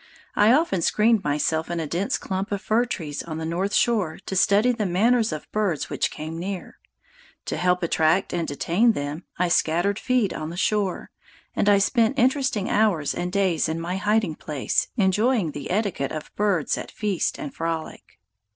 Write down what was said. I often screened myself in a dense clump of fir trees on the north shore to study the manners of birds which came near. To help attract and detain them, I scattered feed on the shore, and I spent interesting hours and days in my hiding place enjoying the etiquette of birds at feast and frolic.